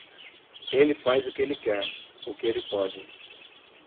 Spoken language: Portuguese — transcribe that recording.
Ele faz o que ele quer, o que ele pode.